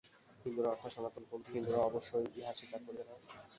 হিন্দুরা অর্থাৎ সনাতন-পন্থী হিন্দুরা অবশ্য ইহা স্বীকার করিবে না।